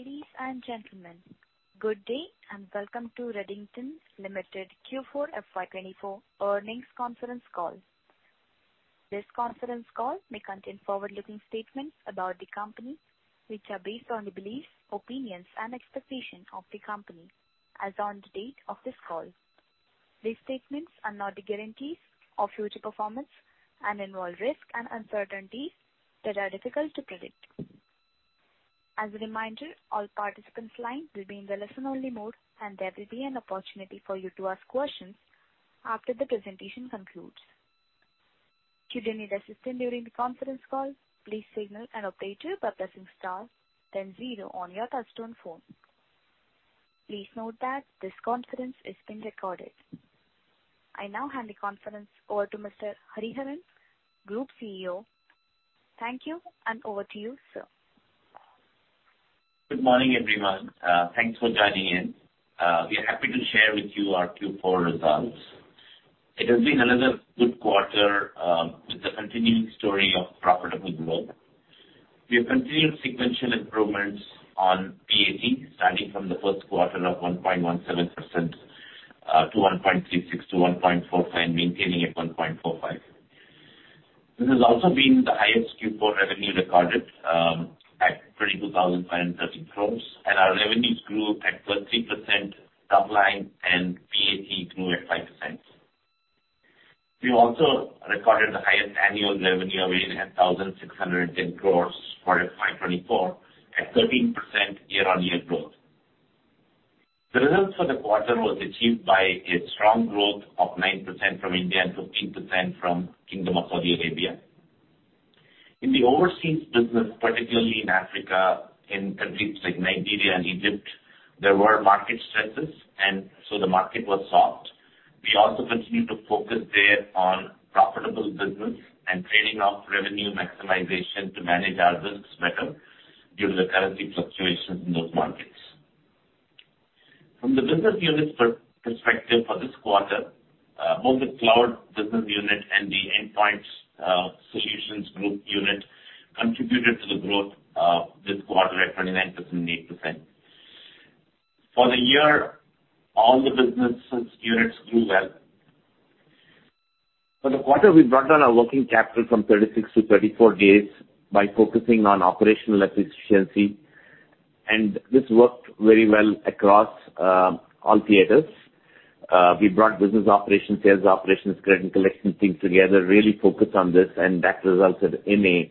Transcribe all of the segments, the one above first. Ladies and gentlemen, good day and welcome to Redington Ltd. Q4 FY24 earnings conference call. This conference call may contain forward-looking statements about the company, which are based on the beliefs, opinions, and expectations of the company as on the date of this call. These statements are not the guarantees of future performance and involve risks and uncertainties that are difficult to predict. As a reminder, all participants' lines will be in the listen-only mode, and there will be an opportunity for you to ask questions after the presentation concludes. Should you need assistance during the conference call, please signal an operator by pressing star, then 0 on your touch-tone phone. Please note that this conference is being recorded. I now hand the conference over to Mr. Hariharan, Group CEO. Thank you, and over to you, sir. Good morning, everyone. Thanks for joining in. We are happy to share with you our Q4 results. It has been another good quarter with the continuing story of profitability growth. We have continued sequential improvements on PAT, starting from the fourth quarter of 1.17% to 1.36% to 1.49%, maintaining at 1.45%. This has also been the highest Q4 revenue recorded at 22,530 crores, and our revenues grew at 3% top line and PAT grew at 5%. We also recorded the highest annual revenue of 8,610 crores quarter 5/2024, at 13% year-on-year growth. The results for the quarter were achieved by a strong growth of 9% from India and 15% from Kingdom of Saudi Arabia. In the overseas business, particularly in Africa and countries like Nigeria and Egypt, there were market stresses, and so the market was soft. We also continue to focus there on profitable business and trading off revenue maximization to manage our risks better due to the currency fluctuations in those markets. From the business unit's perspective for this quarter, both the cloud business unit and the endpoint solutions group unit contributed to the growth this quarter at 29% and 8%. For the year, all the business units grew well. For the quarter, we brought down our working capital from 36 to 34 days by focusing on operational efficiency, and this worked very well across all theaters. We brought business operations, sales operations, credit collection team together, really focused on this, and that resulted in a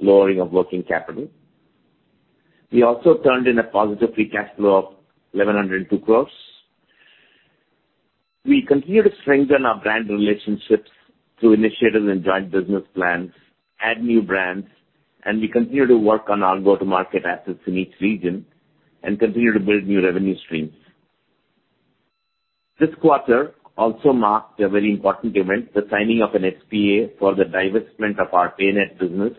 lowering of working capital. We also turned in a positive free cash flow of 1,102 crores. We continue to strengthen our brand relationships through initiatives and joint business plans, add new brands, and we continue to work on our go-to-market assets in each region and continue to build new revenue streams. This quarter also marked a very important event, the signing of an SPA for the divestment of our Paynet business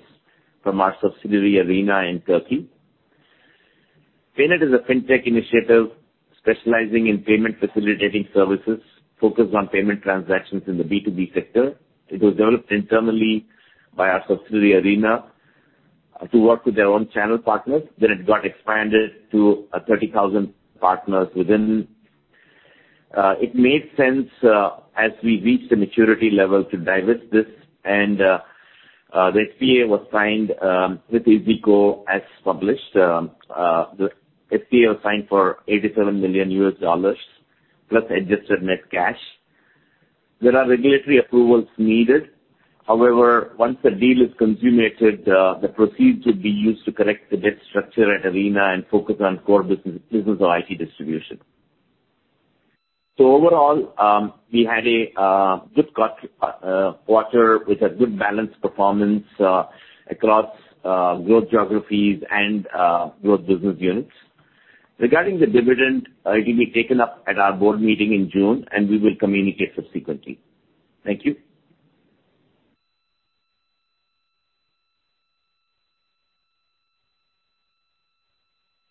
from our subsidiary Arena in Turkey. Paynet is a fintech initiative specializing in payment facilitating services focused on payment transactions in the B2B sector. It was developed internally by our subsidiary Arena to work with their own channel partners. Then it got expanded to 30,000 partners within. It made sense as we reached the maturity level to divest this, and the SPA was signed with iyzico as published. The SPA was signed for $87 million plus adjusted net cash. There are regulatory approvals needed. However, once the deal is consummated, the proceeds would be used to correct the debt structure at Arena and focus on core business, business or IT distribution. So overall, we had a good quarter with a good balanced performance across growth geographies and growth business units. Regarding the dividend, it will be taken up at our board meeting in June, and we will communicate subsequently. Thank you.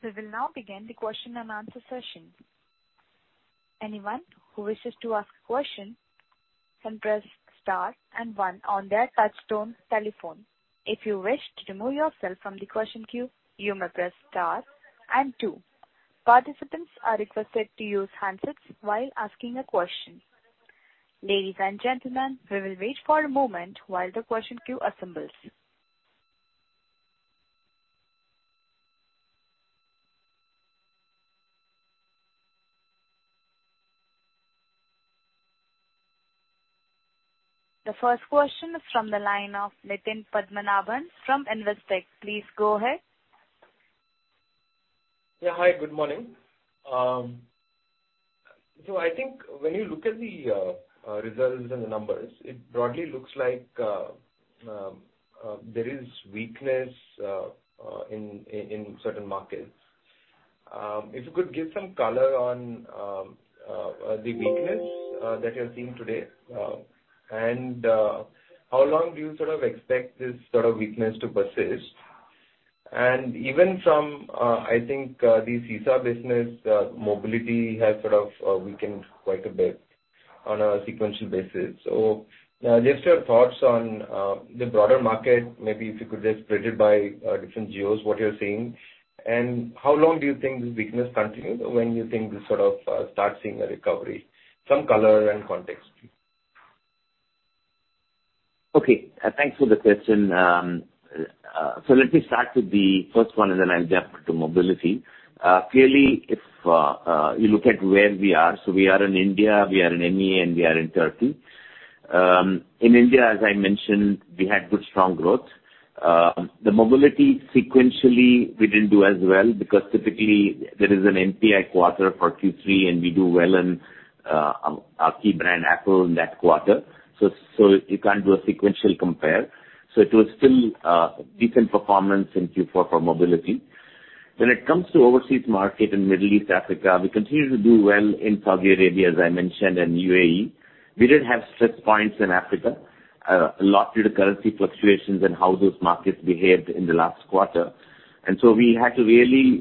So we'll now begin the question-and-answer session. Anyone who wishes to ask a question can press star and 1 on their touch-tone telephone. If you wish to remove yourself from the question queue, you may press star and 2. Participants are requested to use handsets while asking a question. Ladies and gentlemen, we will wait for a moment while the question queue assembles. The first question is from the line of Nitin Padmanabhan from Investec. Please go ahead. Yeah, hi. Good morning. So I think when you look at the results and the numbers, it broadly looks like there is weakness in certain markets. If you could give some color on the weakness that you're seeing today and how long do you sort of expect this sort of weakness to persist? And even from, I think, the CSG business, the mobility has sort of weakened quite a bit on a sequential basis. So just your thoughts on the broader market, maybe if you could just spread it by different geos, what you're seeing, and how long do you think this weakness continues or when you think this sort of starts seeing a recovery? Some color and context. Okay. Thanks for the question. So let me start with the first one, and then I'll jump to mobility. Clearly, if you look at where we are, so we are in India, we are in MEA, and we are in Turkey. In India, as I mentioned, we had good strong growth. The mobility sequentially, we didn't do as well because typically there is an NPI quarter for Q3, and we do well in our key brand Apple in that quarter. So you can't do a sequential compare. So it was still decent performance in Q4 for mobility. When it comes to overseas market in Middle East Africa, we continue to do well in Saudi Arabia, as I mentioned, and UAE. We did have stress points in Africa, a lot due to currency fluctuations and how those markets behaved in the last quarter. So we had to really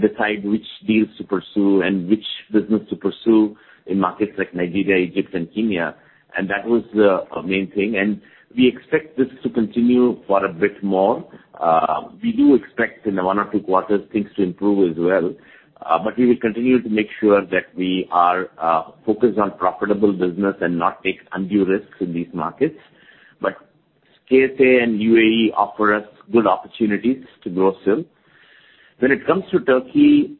decide which deals to pursue and which business to pursue in markets like Nigeria, Egypt, and Kenya. That was the main thing. We expect this to continue for a bit more. We do expect in one or two quarters, things to improve as well. We will continue to make sure that we are focused on profitable business and not take undue risks in these markets. KSA and UAE offer us good opportunities to grow still. When it comes to Turkey,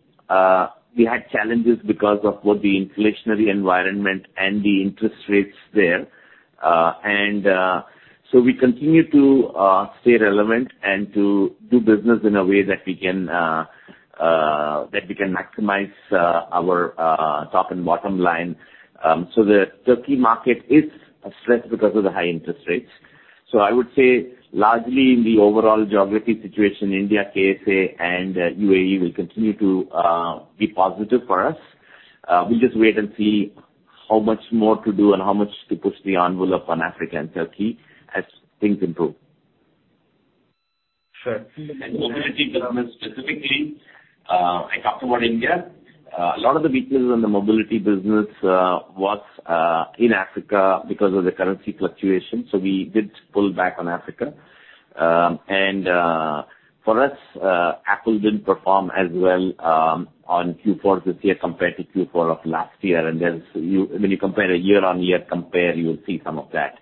we had challenges because of the inflationary environment and the interest rates there. We continue to stay relevant and to do business in a way that we can maximize our top and bottom line. The Turkey market is stressed because of the high interest rates. I would say largely in the overall geography situation, India KSA and UAE will continue to be positive for us. We'll just wait and see how much more to do and how much to push the envelope on Africa and Turkey as things improve. Sure. Mobility economics specifically, I talked about India. A lot of the weaknesses in the mobility business was in Africa because of the currency fluctuation. So we did pull back on Africa. And for us, Apple didn't perform as well on Q4 this year compared to Q4 of last year. And when you compare a year-on-year compare, you'll see some of that.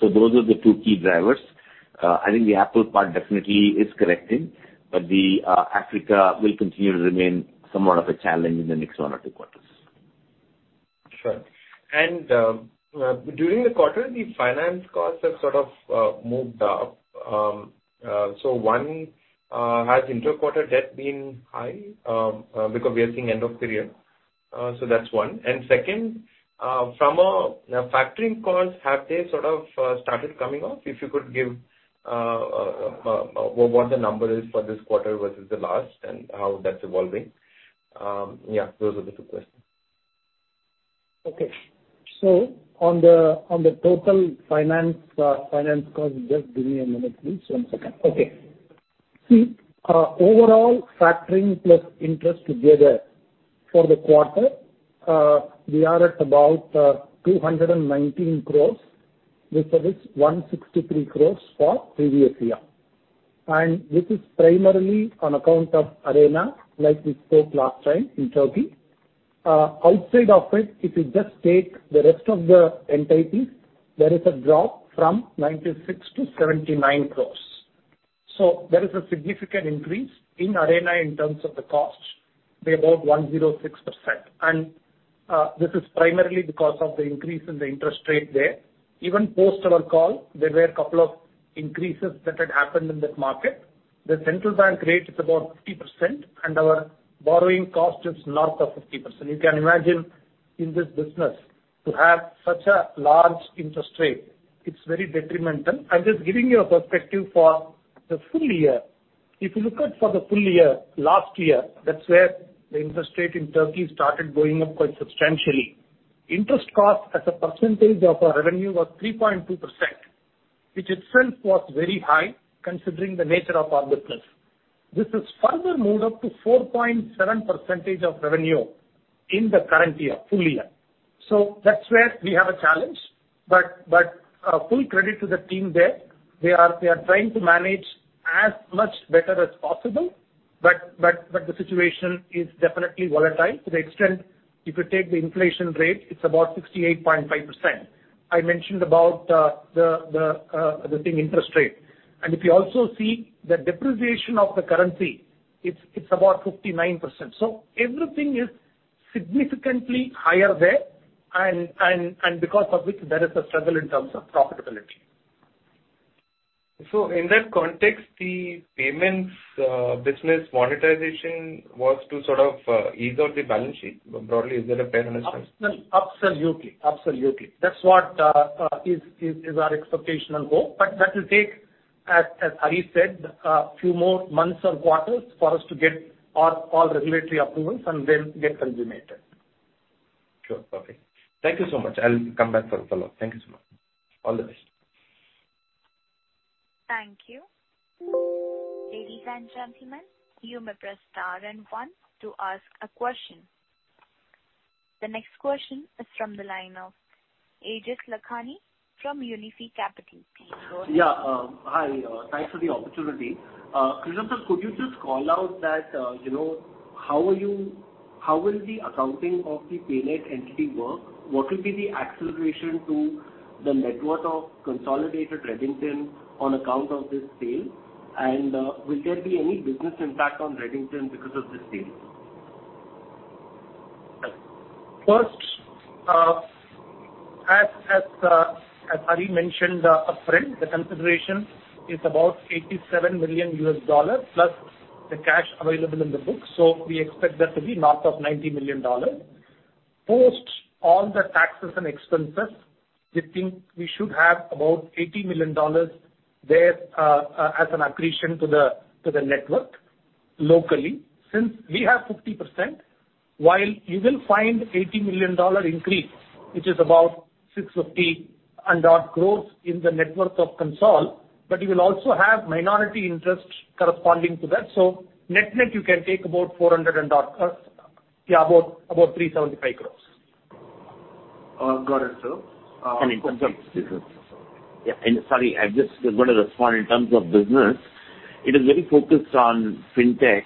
So those are the two key drivers. I think the Apple part definitely is correcting, but Africa will continue to remain somewhat of a challenge in the next one or two quarters. Sure. And during the quarter, the finance costs have sort of moved up. So one, has interquarter debt been high because we are seeing end of period? So that's one. And second, from a factoring cost, have they sort of started coming off? If you could give what the number is for this quarter versus the last and how that's evolving? Yeah, those are the two questions. Okay. So on the total finance cost, just give me a minute, please. One second. Okay. Overall factoring plus interest together for the quarter, we are at about 219 crore, which is 163 crore for previous year. And this is primarily on account of Arena, like we said last time in Turkey. Outside of it, if you just take the rest of the entities, there is a drop from 96 crore to 79 crore. So there is a significant increase in Arena in terms of the cost. They bought 106%. And this is primarily because of the increase in the interest rate there. Even post our call, there were a couple of increases that had happened in that market. The central bank rate is about 50%, and our borrowing cost is north of 50%. You can imagine in this business to have such a large interest rate. It's very detrimental. Just giving you a perspective for the full year, if you look at for the full year, last year, that's where the interest rate in Turkey started going up quite substantially. Interest cost as a percentage of our revenue was 3.2%, which itself was very high considering the nature of our business. This has further moved up to 4.7% of revenue in the current year, full year. So that's where we have a challenge. But full credit to the team there. They are trying to manage as much better as possible, but the situation is definitely volatile to the extent if you take the inflation rate, it's about 68.5%. I mentioned about the thing interest rate. If you also see the depreciation of the currency, it's about 59%. So everything is significantly higher there and because of which there is a struggle in terms of profitability. In that context, the payments business monetization was to sort of ease out the balance sheet. Broadly, is that a fair understanding? Absolutely. Absolutely. That's what is our expectation and hope. But that will take, as Hari said, a few more months or quarters for us to get all regulatory approvals and then get consummated. Sure. Okay. Thank you so much. I'll come back for a follow-up. Thank you so much. All the best. Thank you. Ladies and gentlemen, you may press star and 1 to ask a question. The next question is from the line of Aejas Lakhani from Unifi Capital. Yeah. Hi. Thanks for the opportunity. Krishnan, can you just call out how the accounting of the Paynet entity will work? What will be the accretion to the net worth of consolidated Redington on account of this deal? And will there be any business impact on Redington because of this deal? First, as Hari mentioned upfront, the consideration is about $87 million plus the cash available in the books. So we expect that to be north of $90 million. Post all the taxes and expenses, we think we should have about $80 million there as an accretion to the net worth locally since we have 50%. While you will find an $80 million increase, which is about 650 crores in the net worth of consolidated, but you will also have minority interest corresponding to that. So net net, you can take about 375 crores. Got it, sir. In terms of. Yeah. And sorry, I've just wanted to respond in terms of business. It is very focused on fintech.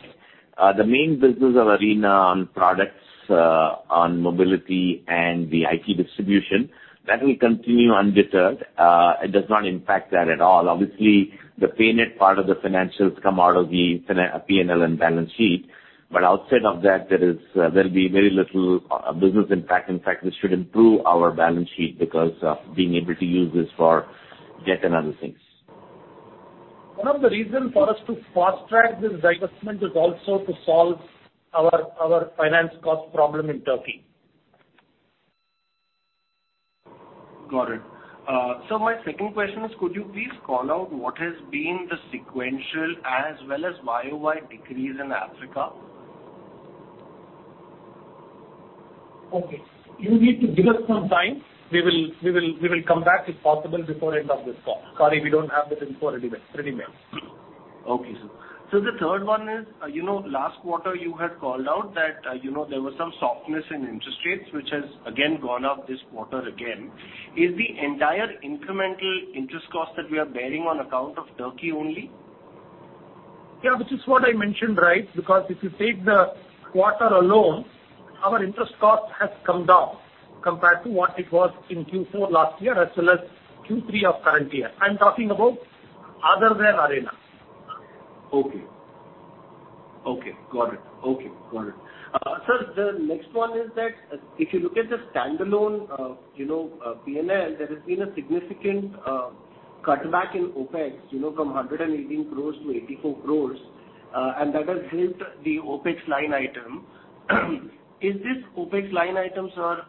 The main business of Arena on products, on mobility, and the IT distribution, that will continue undeterred. It does not impact that at all. Obviously, the Paynet part of the financials come out of the P&L and balance sheet. But outside of that, there will be very little business impact. In fact, this should improve our balance sheet because of being able to use this for debt and other things. One of the reasons for us to fast-track this divestment is also to solve our finance cost problem in Turkey. Got it. So my second question is, could you please call out what has been the sequential as well as YOY decrease in Africa? Okay. You need to give us some time. We will come back if possible before end of this call. Sorry, we don't have the time for three minutes. Okay, sir. So the third one is, last quarter, you had called out that there was some softness in interest rates, which has again gone up this quarter again. Is the entire incremental interest cost that we are bearing on account of Turkey only? Yeah, which is what I mentioned, right? Because if you take the quarter alone, our interest cost has come down compared to what it was in Q4 last year as well as Q3 of current year. I'm talking about other than Arena. Okay. Okay. Got it. Okay. Got it. Sir, the next one is that if you look at the standalone P&L, there has been a significant cutback in OpEx from 118 crores-84 crores, and that has helped the OpEx line item. Is this OpEx line item, sir,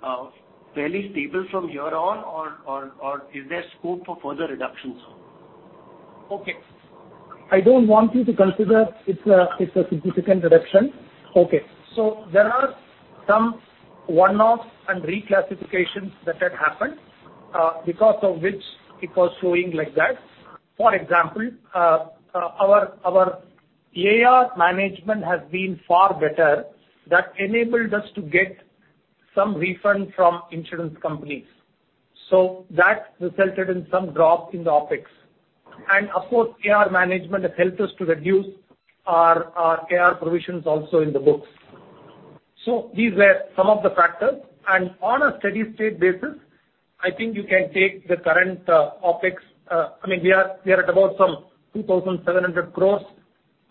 fairly stable from year on, or is there scope for further reductions, sir? Okay. I don't want you to consider it's a significant reduction. Okay. So there are some one-offs and reclassifications that had happened because of which it was showing like that. For example, our AR management has been far better. That enabled us to get some refund from insurance companies. So that resulted in some drop in the OpEx. And of course, AR management has helped us to reduce our AR provisions also in the books. So these were some of the factors. And on a steady-state basis, I think you can take the current OpEx. I mean, we are at about some 2,700 crores.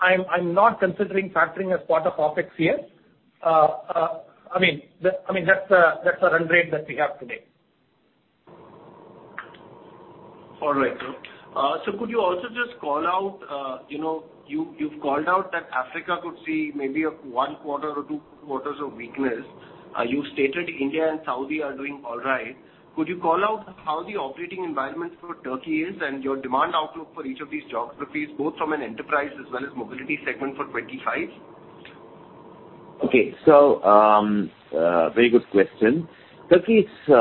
I'm not considering factoring as part of OpEx here. I mean, that's a run rate that we have today. All right, sir. So could you also just call out you've called out that Africa could see maybe one quarter or two quarters of weakness. You stated India and Saudi are doing all right. Could you call out how the operating environment for Turkey is and your demand outlook for each of these geographies, both from an enterprise as well as mobility segment for 2025? Okay. So very good question. Turkey is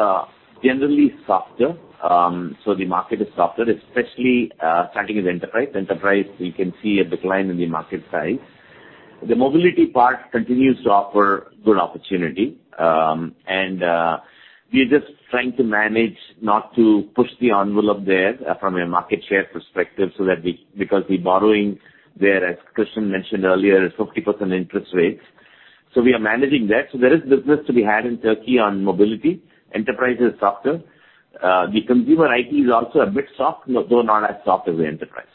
generally softer. So the market is softer, especially starting with enterprise. Enterprise, we can see a decline in the market size. The mobility part continues to offer good opportunity. And we are just trying to manage not to push the envelope there from a market share perspective because we're borrowing there, as Krishnan mentioned earlier, at 50% interest rates. So we are managing that. So there is business to be had in Turkey on mobility. Enterprise is softer. The consumer IT is also a bit soft, though not as soft as the enterprise.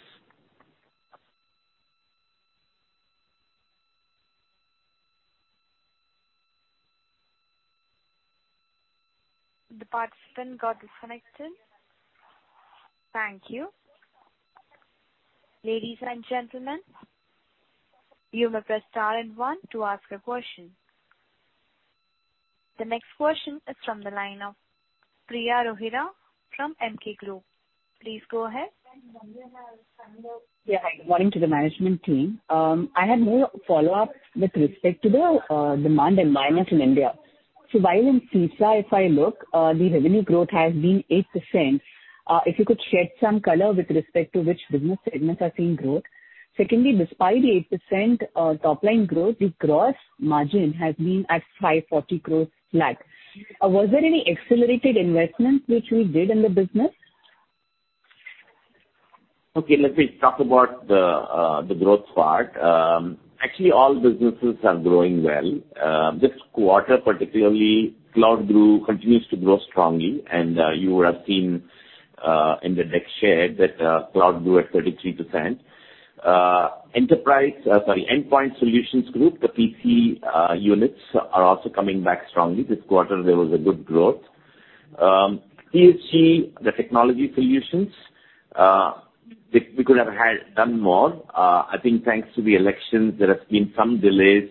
The participant got disconnected. Thank you. Ladies and gentlemen, you may press star and 1 to ask a question. The next question is from the line of Priya Rohira from Emkay Group. Please go ahead. Yeah, hi. Good morning to the management team. I had more follow-up with respect to the demand environment in India. So while in FISA, if I look, the revenue growth has been 8%. If you could shed some color with respect to which business segments are seeing growth. Secondly, despite the 8% top-line growth, the gross margin has been at 540 crore lag. Was there any accelerated investments which we did in the business? Okay. Let me talk about the growth part. Actually, all businesses are growing well. This quarter, particularly, CloudQuarks continues to grow strongly. And you have seen in the deck share that CloudQuarks at 33%. Enterprise, sorry, Endpoint Solutions Group, the PC units are also coming back strongly. This quarter, there was a good growth. TSG, the technology solutions, we could have had done more. I think thanks to the elections, there have been some delays,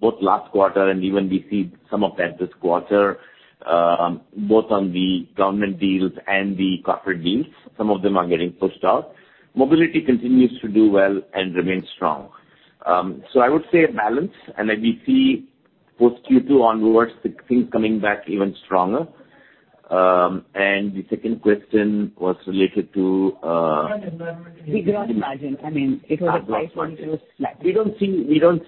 both last quarter and even we see some of that this quarter, both on the government deals and the corporate deals. Some of them are getting pushed out. Mobility continues to do well and remains strong. So I would say a balance. And as we see post-Q2 onwards, the things coming back even stronger. And the second question was related to. The gross margin. I mean, it was INR 540 crores last. We don't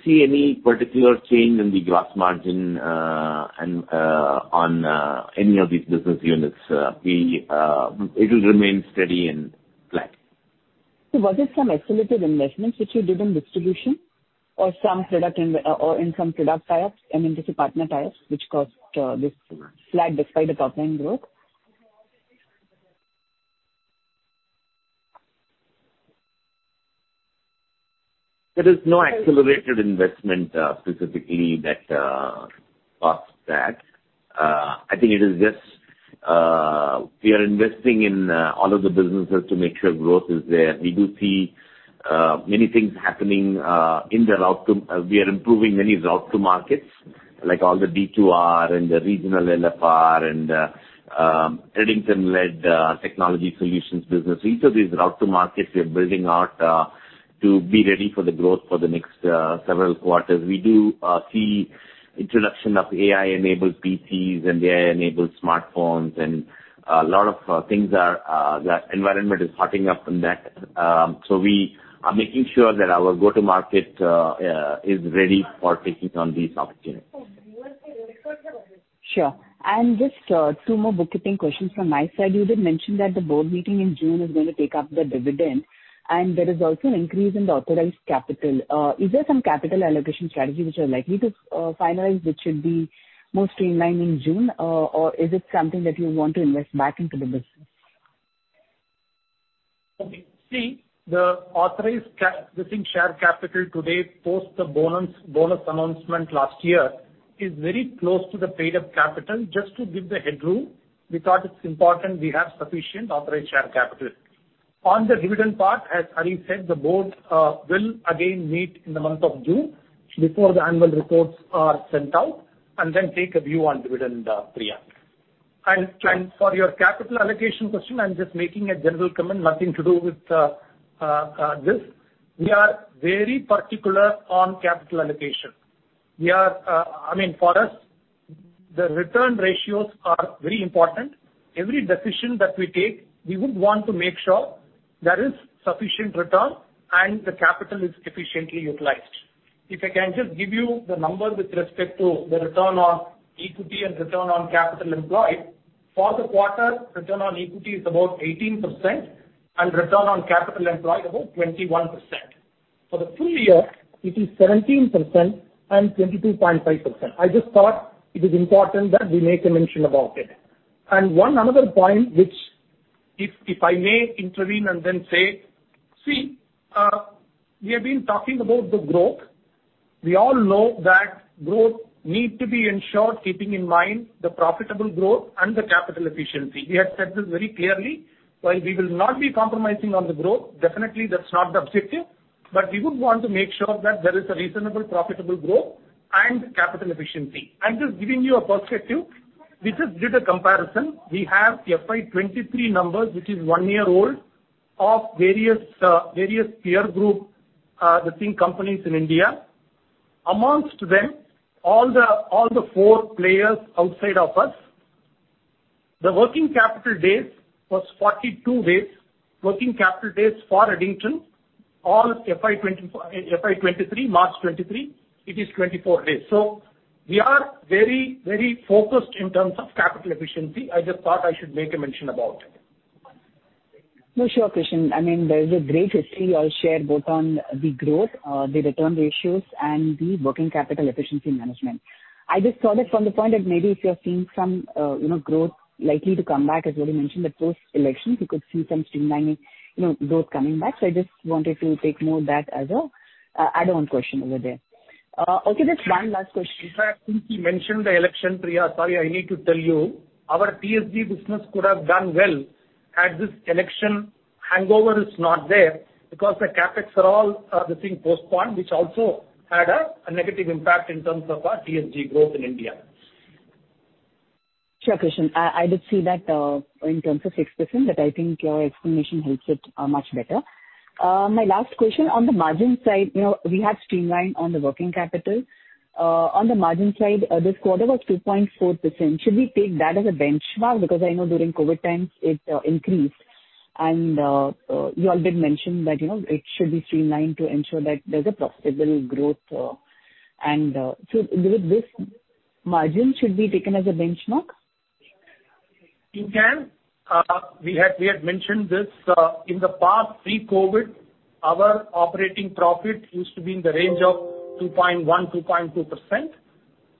see any particular change in the gross margin on any of these business units. It will remain steady and flat. So was there some accelerated investments which you did in distribution or in some product tie-ups, I mean, partner tie-ups, which caused this flat despite the top-line growth? There is no accelerated investment specifically that caused that. I think it is just we are investing in all of the businesses to make sure growth is there. We do see many things happening in the route to market. We are improving many route-to-markets like all the D2R and the regional LFR and Redington-led technology solutions business. Each of these route-to-markets, we are building out to be ready for the growth for the next several quarters. We do see introduction of AI-enabled PCs and AI-enabled smartphones. And a lot of things are. The environment is heating up in that. So we are making sure that our go-to-market is ready for taking on these opportunities. Sure. And just two more bookkeeping questions from my side. You did mention that the board meeting in June is going to take up the dividend. And there is also an increase in the authorized capital. Is there some capital allocation strategy which you're likely to finalize that should be more streamlined in June, or is it something that you want to invest back into the business? See, the authorized share capital today post the bonus announcement last year is very close to the paid-up capital. Just to give the headroom, we thought it's important we have sufficient authorized share capital. On the dividend part, as Hari said, the board will again meet in the month of June before the annual reports are sent out and then take a view on dividend pre-act. For your capital allocation question, I'm just making a general comment, nothing to do with this. We are very particular on capital allocation. I mean, for us, the return ratios are very important. Every decision that we take, we would want to make sure there is sufficient return and the capital is efficiently utilized. If I can just give you the number with respect to the return on equity and return on capital employed, for the quarter, return on equity is about 18% and return on capital employed about 21%. For the full year, it is 17% and 22.5%. I just thought it is important that we make a mention about it. And one another point, which if I may intervene and then say, see, we have been talking about the growth. We all know that growth needs to be ensured keeping in mind the profitable growth and the capital efficiency. We had said this very clearly. While we will not be compromising on the growth, definitely that's not the objective. But we would want to make sure that there is a reasonable profitable growth and capital efficiency. I'm just giving you a perspective. We just did a comparison. We have FY23 numbers, which is one year old, of various peer group, the tech companies in India. Among them, all the four players outside of us, the working capital days was 42 days. Working capital days for Redington, all FY23, March 2023, it is 24 days. So we are very, very focused in terms of capital efficiency. I just thought I should make a mention about it. No, sure, Krishnan. I mean, there is a great history you all share both on the growth, the return ratios, and the working capital efficiency management. I just saw that from the point that maybe if you're seeing some growth likely to come back, as you already mentioned, that post-election, we could see some streamlining growth coming back. So I just wanted to take more of that as an add-on question over there. Okay, just one last question. Since you mentioned the election, Priya, sorry, I need to tell you, our TSG business could have done well as this election hangover is not there because the CapEx are all, the thing, postponed, which also had a negative impact in terms of our TSG growth in India. Sure, Krishnan. I did see that, in terms of 6%, that I think your explanation helps it much better. My last question, on the margin side, we have streamlined on the working capital. On the margin side, this quarter was 2.4%. Should we take that as a benchmark? Because I know during COVID times, it increased. And you all did mention that it should be streamlined to ensure that there's a little growth. And so this margin, should we take it as a benchmark? You can. We had mentioned this in the past, pre-COVID, our operating profit used to be in the range of 2.1%-2.2%.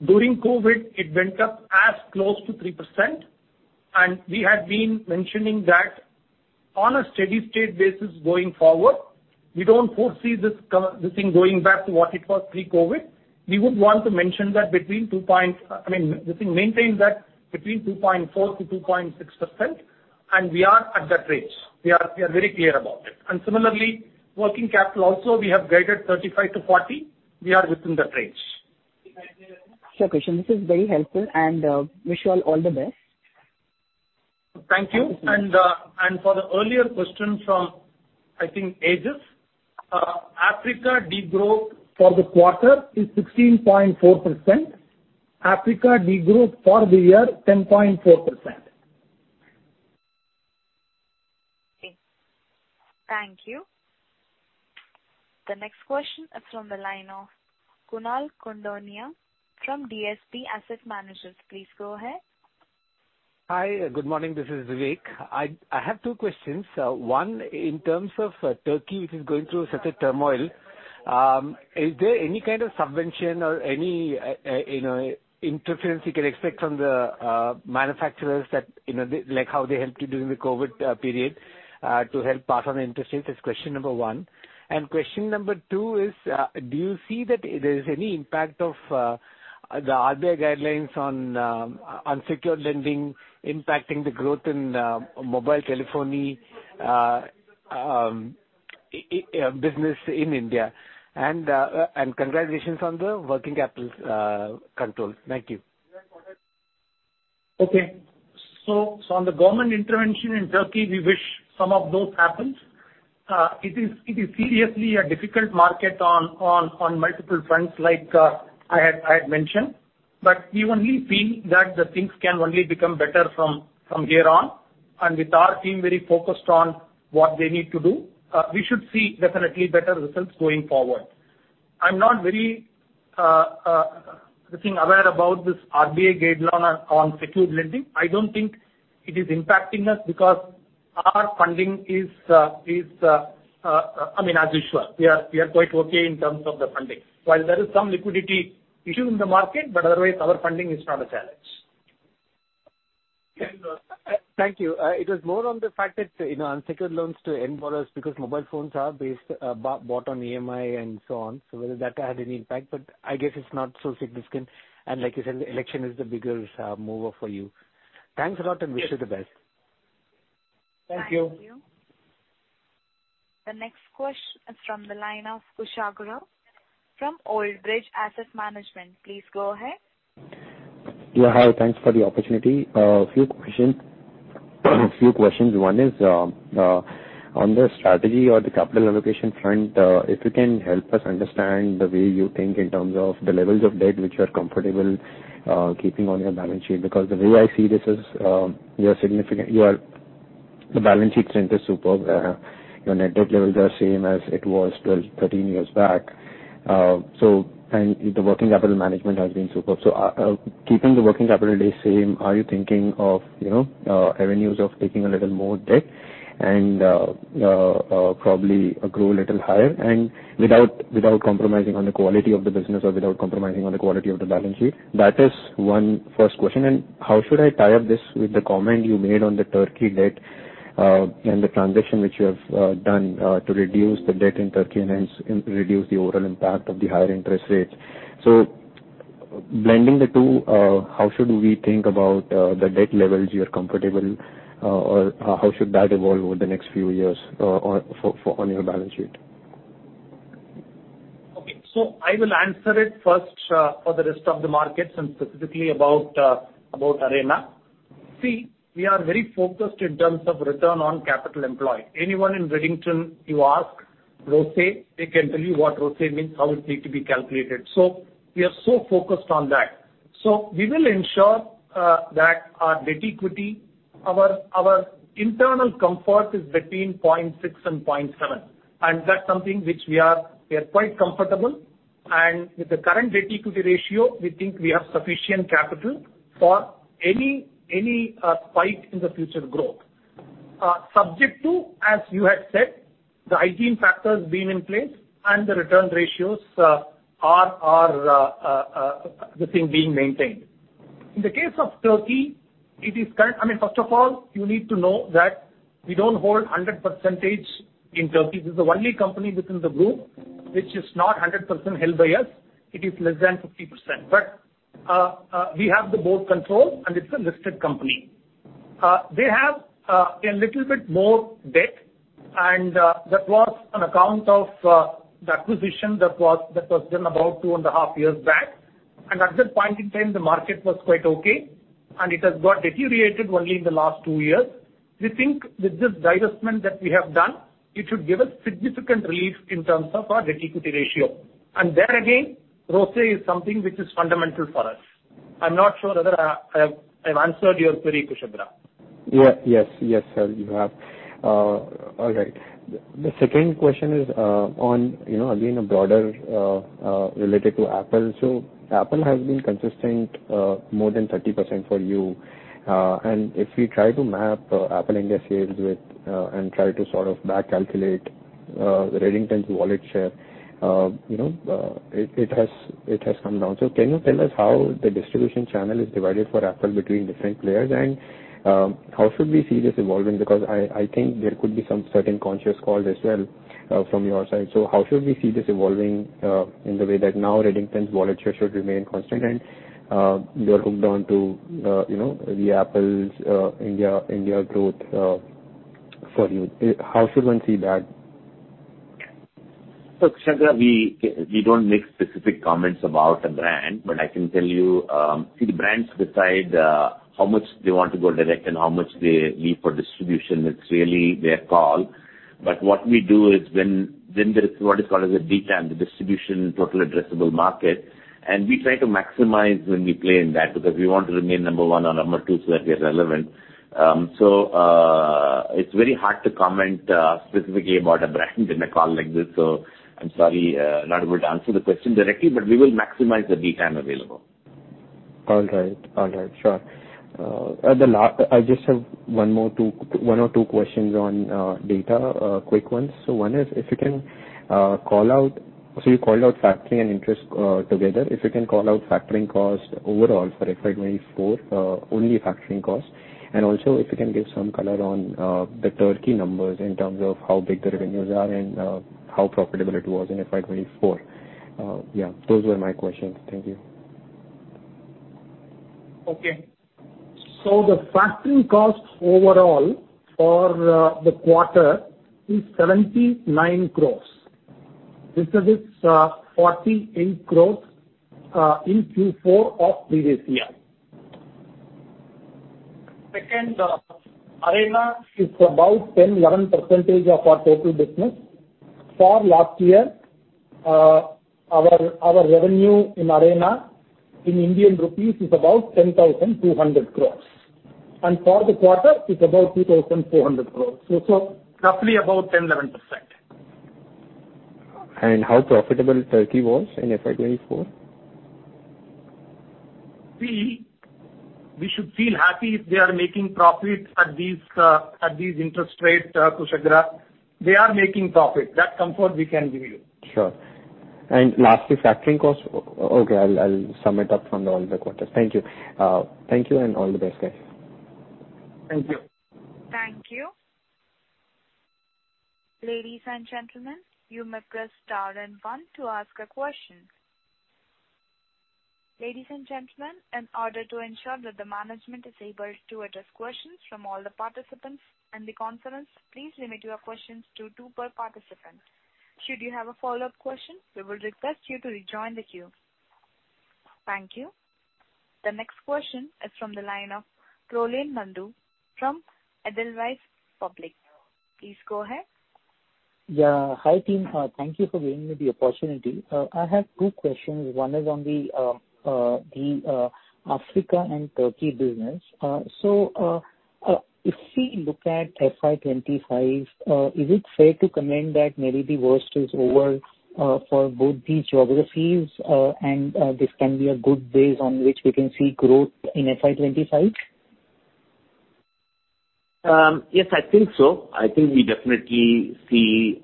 During COVID, it went up as close to 3%. We have been mentioning that on a steady-state basis going forward, we don't foresee this thing going back to what it was pre-COVID. We would want to mention that between 2. I mean, the thing, maintain that between 2.4%-2.6%. We are at that range. We are very clear about it. Similarly, working capital also, we have guided 35%-40%. We are within that range. Sure, Krishnan. This is very helpful. Wish you all the best. Thank you. And for the earlier question from, I think, Agis, Africa degrowth for the quarter is 16.4%. Africa degrowth for the year, 10.4%. Okay. Thank you. The next question is from the line of Kunal Khudania from DSP Asset Managers. Please go ahead. Hi. Good morning. This is Vivek. I have two questions. One, in terms of Turkey, which is going through such a turmoil, is there any kind of subvention or any interference you can expect from the manufacturers that how they helped you during the COVID period to help pass on the interest rate? That's question number one. And question number two is, do you see that there is any impact of the RBI guidelines on unsecured lending impacting the growth in mobile telephony business in India? And congratulations on the working capital control. Thank you. Okay. So on the government intervention in Turkey, we wish some of those happened. It is seriously a difficult market on multiple fronts, like I had mentioned. But we only feel that the things can only become better from here on. And with our team very focused on what they need to do, we should see definitely better results going forward. I'm not very aware about this RBI guideline on secured lending. I don't think it is impacting us because our funding is, I mean, as usual, we are quite okay in terms of the funding. While there is some liquidity issue in the market, but otherwise, our funding is not a challenge. Thank you. It was more on the fact that unsecured loans to end borrowers because mobile phones are bought on EMI and so on. So whether that had any impact, but I guess it's not so significant. And like you said, the election is the bigger mover for you. Thanks a lot and wish you the best. Thank you. Thank you. The next question is from the line of Kushagra from Old Bridge Asset Management. Please go ahead. Yeah, hi. Thanks for the opportunity. A few questions. One is on the strategy or the capital allocation front, if you can help us understand the way you think in terms of the levels of debt which you are comfortable keeping on your balance sheet. Because the way I see this is the balance sheet strength is superb. Your net debt levels are the same as it was 12-13 years back. And the working capital management has been superb. So keeping the working capital day same, are you thinking of revenues of taking a little more debt and probably grow a little higher and without compromising on the quality of the business or without compromising on the quality of the balance sheet? That is one first question. How should I tie up this with the comment you made on the Turkey debt and the transaction which you have done to reduce the debt in Turkey and hence reduce the overall impact of the higher interest rates? Blending the two, how should we think about the debt levels you are comfortable or how should that evolve over the next few years on your balance sheet? Okay. So I will answer it first for the rest of the markets and specifically about Arena. See, we are very focused in terms of return on capital employed. Anyone in Redington, you ask, ROCE, they can tell you what ROCE means, how it needs to be calculated. So we are so focused on that. So we will ensure that our net equity, our internal comfort is between 0.6%-0.7%. And that's something which we are quite comfortable. And with the current net equity ratio, we think we have sufficient capital for any spike in the future growth. Subject to, as you had said, the hygiene factors being in place and the return ratios are the thing being maintained. In the case of Turkey, it is current, I mean, first of all, you need to know that we don't hold 100% in Turkey. This is the only company within the group which is not 100% held by us. It is less than 50%. But we have the board control and it's a listed company. They have a little bit more debt. And that was on account of the acquisition that was done about two and a half years back. And at that point in time, the market was quite okay. And it has got deteriorated only in the last two years. We think with this divestment that we have done, it should give us significant relief in terms of our net equity ratio. And there again, ROE is something which is fundamental for us. I'm not sure whether I've answered your query, Kushagra. Yes, yes, sir, you have. All right. The second question is on, again, a broader related to Apple. So Apple has been consistent more than 30% for you. And if we try to map Apple India shares with and try to sort of back-calculate the Redington's wallet share, it has come down. So can you tell us how the distribution channel is divided for Apple between different players and how should we see this evolving? Because I think there could be some certain conscious calls as well from your side. So how should we see this evolving in the way that now Redington's wallet share should remain constant and they're hooked onto the Apple's India growth for you? How should one see that? So, Kushagra, we don't make specific comments about a brand, but I can tell you, see, the brands decide how much they want to go direct and how much they leave for distribution. It's really their call. But what we do is then what is called a DCAM, the Distribution Total Addressable Market. And we try to maximize when we play in that because we want to remain number one or number two so that we are relevant. So it's very hard to comment specifically about a brand in a call like this. So I'm sorry, not able to answer the question directly, but we will maximize the DCAM available. All right. All right. Sure. I just have one or two questions on data, quick ones. So one is if you can call out, so you called out factoring and interest together. If you can call out factoring cost overall for FY24, only factoring cost. And also if you can give some color on the Turkey numbers in terms of how big the revenues are and how profitable it was in FY24. Yeah, those were my questions. Thank you. Okay. So the factoring cost overall for the quarter is 79 crore. This is its 40% in growth in Q4 of previous year. Second, Arena is about 10%-11% of our takeaway business. For last year, our revenue in Arena in Indian rupees is about 10,200 crore. And for the quarter, it's about 3,400 crore. So roughly about 10%-11%. How profitable Turkey was in FY2024? See, we should feel happy if they are making profit at these interest rates, Kushagra. They are making profit. That comfort we can give you. Sure. Lastly, factoring cost, okay, I'll sum it up from the on-the-quarters. Thank you. Thank you and all the best, guys. Thank you. Thank you. Ladies and gentlemen, you may press star and one to ask a question. Ladies and gentlemen, in order to ensure that the management is able to address questions from all the participants in the conference, please limit your questions to two per participant. Should you have a follow-up question, we will request you to rejoin the queue. Thank you. The next question is from the line of Prolin Nandu from Edelweiss. Please go ahead. Yeah, hi team. Thank you for giving me the opportunity. I have two questions. One is on the Africa and Turkey business. So if we look at FY25, is it fair to comment that maybe the worst is over for both these geographies and this can be a good base on which we can see growth in FY25? Yes, I think so. I think we definitely see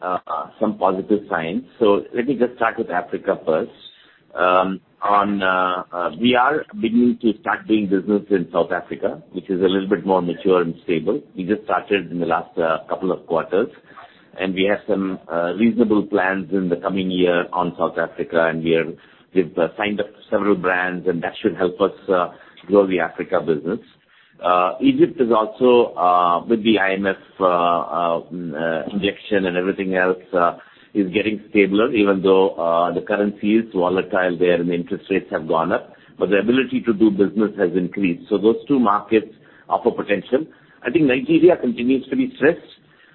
some positive signs. So let me just start with Africa first. We are beginning to start doing business in South Africa, which is a little bit more mature and stable. We just started in the last couple of quarters. And we have some reasonable plans in the coming year on South Africa. And we have signed up several brands and that should help us grow the Africa business. Egypt is also, with the IMF injection and everything else, is getting stabler even though the currency is volatile there and the interest rates have gone up. But the ability to do business has increased. So those two markets offer potential. I think Nigeria continues to be stressed.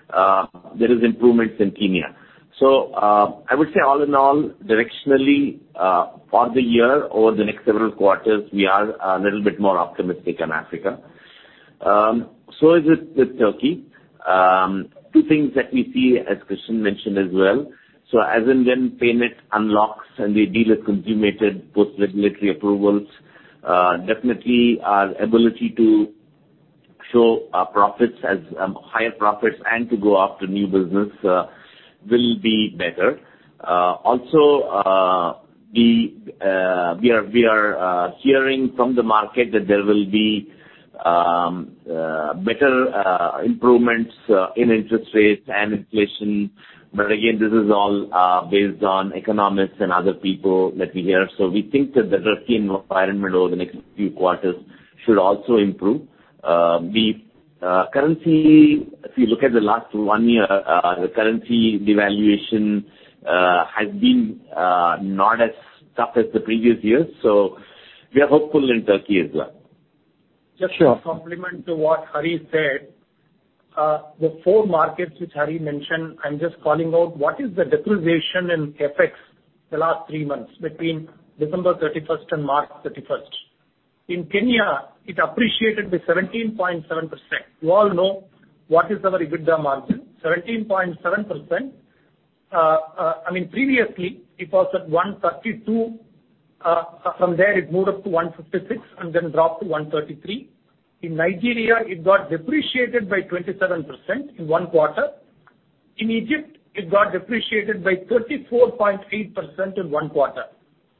There are improvements in Kenya. So I would say all in all, directionally for the year or the next several quarters, we are a little bit more optimistic on Africa. So is it with Turkey? Two things that we see, as Christian mentioned as well. So as in when Paynet unlocks and they deal with consummated post-regulatory approvals, definitely our ability to show higher profits and to go after new business will be better. Also, we are hearing from the market that there will be better improvements in interest rates and inflation. But again, this is all based on economics and other people that we hear. So we think that the Turkey environment over the next few quarters should also improve. If you look at the last one year, the currency devaluation has been not as tough as the previous year. So we are hopeful in Turkey as well. Yes, sure. Complement to what Hari said. The four markets which Hari mentioned, I'm just calling out, what is the depreciation in FX the last three months between December 31st and March 31st? In Kenya, it appreciated by 17.7%. You all know what is our EBITDA margin, 17.7%. I mean, previously, it was at 132. From there, it moved up to 156 and then dropped to 133. In Nigeria, it got depreciated by 27% in one quarter. In Egypt, it got depreciated by 34.8% in one quarter.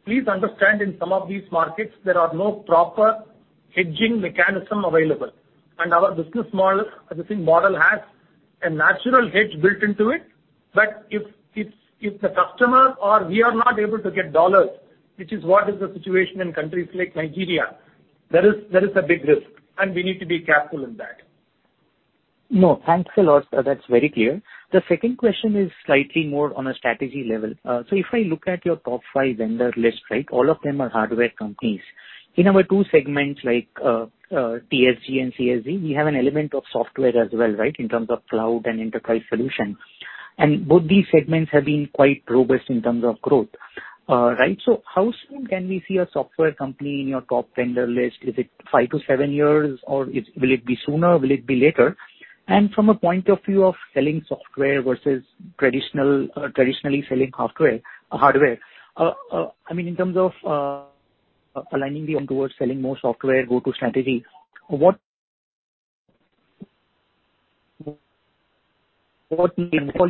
Please understand, in some of these markets, there are no proper hedging mechanisms available. And our business model, the thing model has a natural hedge built into it. But if the customer or we are not able to get dollars, which is what is the situation in countries like Nigeria, there is a big risk. And we need to be careful in that. No, thanks a lot. That's very clear. The second question is slightly more on a strategy level. So if I look at your top five vendor list, right, all of them are hardware companies. In our two segments like TSG and CSG, we have an element of software as well, right, in terms of cloud and enterprise solution. And both these segments have been quite robust in terms of growth, right? So how soon can we see a software company in your top vendor list? Is it five to seven years or will it be sooner? Will it be later? And from a point of view of selling software versus traditionally selling hardware, I mean, in terms of aligning the towards selling more software, go-to strategy, what all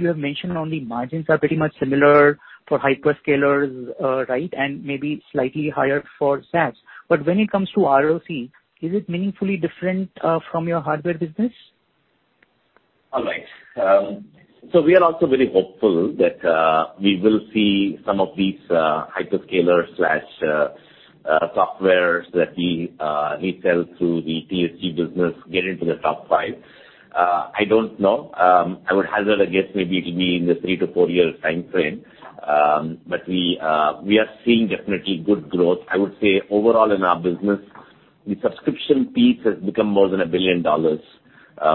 you have mentioned on the margins are pretty much similar for hyperscalers, right, and maybe slightly higher for SaaS. When it comes to ROC, is it meaningfully different from your hardware business? Always. So we are also very hopeful that we will see some of these hyperscalers/softwares that we sell through the TSG business get into the top 5. I don't know. I would hazard a guess maybe it will be in the 3- to 4-year time frame. But we are seeing definitely good growth. I would say overall in our business, the subscription piece has become more than $1 billion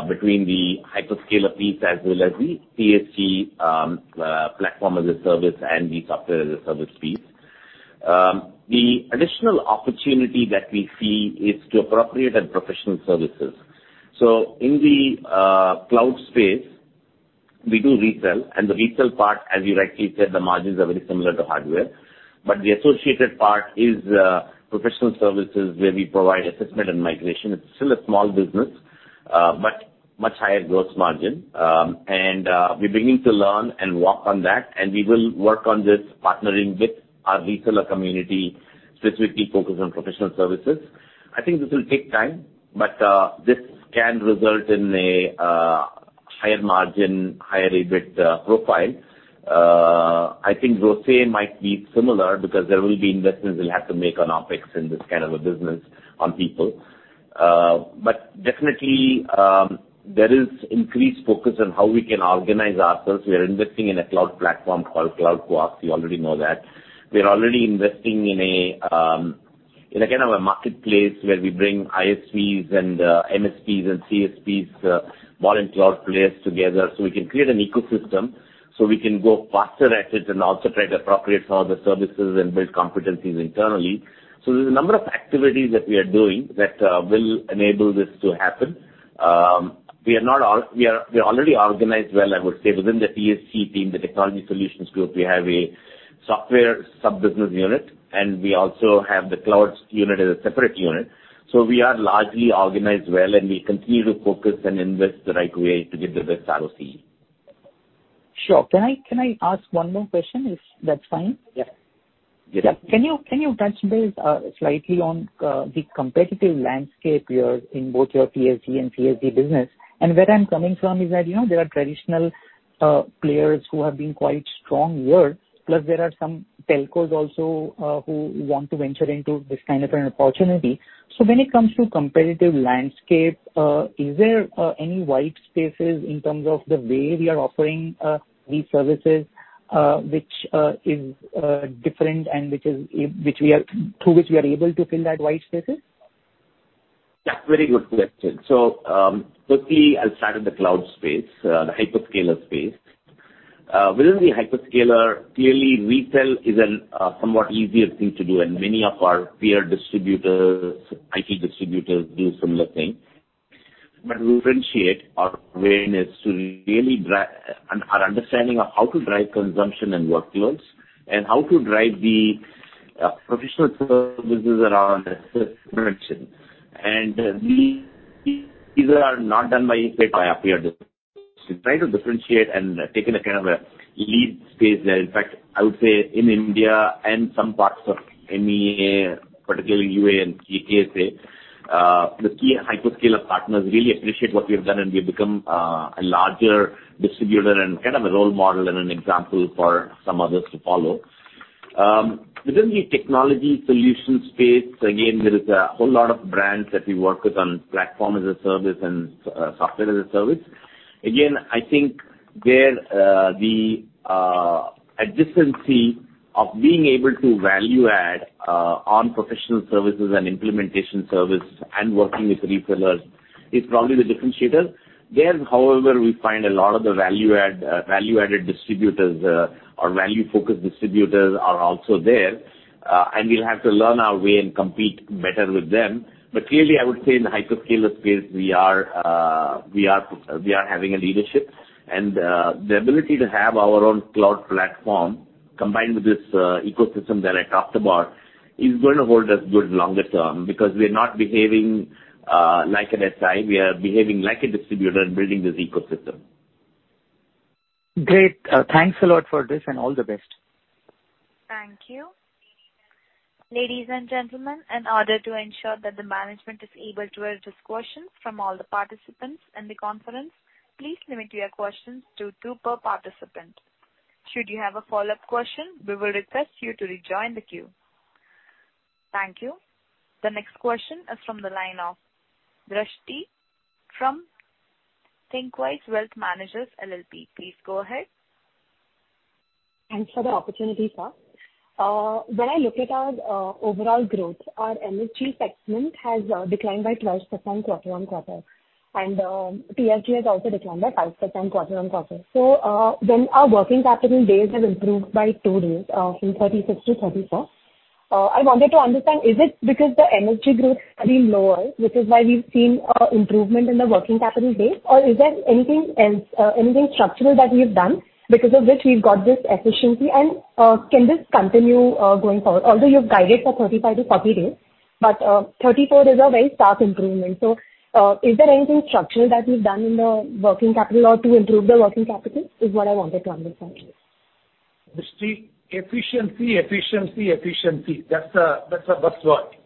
between the hyperscaler piece as well as the TSG platform as a service and the software as a service piece. The additional opportunity that we see is to appropriate and professional services. So in the cloud space, we do retail. And the retail part, as you rightly said, the margins are very similar to hardware. But the associated part is professional services where we provide assessment and migration. It's still a small business, but much higher growth margin. We're beginning to learn and walk on that. We will work on this partnering with our retailer community specifically focused on professional services. I think this will take time, but this can result in a higher margin, higher EBIT profile. I think ROCE might be similar because there will be investments we'll have to make on OPEX in this kind of a business on people. Definitely, there is increased focus on how we can organize ourselves. We are investing in a cloud platform called CloudQuarks. You already know that. We are already investing in a kind of a marketplace where we bring ISVs and MSPs and CSPs, modern cloud players together so we can create an ecosystem so we can go faster at it and also try to appropriate some of the services and build competencies internally. So there's a number of activities that we are doing that will enable this to happen. We are already organized well, I would say, within the ESG team, the technology solutions group. We have a software sub-business unit, and we also have the cloud unit as a separate unit. So we are largely organized well, and we continue to focus and invest the right way to get the best ROC. Sure. Can I ask one more question if that's fine? Yes. Can you touch base slightly on the competitive landscape in both your TSG and CSG business? Where I'm coming from is that there are traditional players who have been quite strong here, plus there are some telcos also who want to venture into this kind of an opportunity. When it comes to competitive landscape, is there any white spaces in terms of the way we are offering these services which is different and through which we are able to fill that white spaces? Yeah, very good question. So Turkey, outside of the cloud space, the hyperscaler space, within the hyperscaler, clearly, retail is a somewhat easier thing to do, and many of our peer distributors, IT distributors, do similar things. But to differentiate our awareness to really our understanding of how to drive consumption and workloads and how to drive the professional services around production. And these are not done by our peer distributors. To try to differentiate and take in a kind of a lead space there. In fact, I would say in India and some parts of MEA, particularly UAE and KSA, the key hyperscaler partners really appreciate what we have done, and we've become a larger distributor and kind of a role model and an example for some others to follow. Within the technology solution space, again, there is a whole lot of brands that we work with on platform as a service and software as a service. Again, I think the adjacency of being able to value add on professional services and implementation services and working with retailers is probably the differentiator. There, however, we find a lot of the value-added distributors or value-focused distributors are also there. We'll have to learn our way and compete better with them. Clearly, I would say in the hyperscaler space, we are having a leadership. The ability to have our own cloud platform combined with this ecosystem that I talked about is going to hold us good longer term because we're not behaving like at that time. We are behaving like a distributor and building this ecosystem. Great. Thanks a lot for this and all the best. Thank you. Ladies and gentlemen, in order to ensure that the management is able to address questions from all the participants in the conference, please limit your questions to two per participant. Should you have a follow-up question, we will request you to rejoin the queue. Thank you. The next question is from the line of Drashti from Thinqwise Wealth Managers, LLP. Please go ahead. Thanks for the opportunity, Sir. When I look at our overall growth, our energy segment has declined by 12% quarter-on-quarter. TSG has also declined by 5% quarter-on-quarter. When our working capital base has improved by 2 rates, from 36 to 34, I wanted to understand, is it because the energy growth has been lower, which is why we've seen an improvement in the working capital base, or is there anything structural that we've done because of which we've got this efficiency, and can this continue going forward? Although you've guided for 35-40 days, but 34 is a very stark improvement. Is there anything structural that we've done in the working capital or to improve the working capital is what I wanted to understand. Drashti, efficiency, efficiency, efficiency. That's a buzzword.